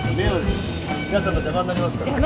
皆さんの邪魔になりますから。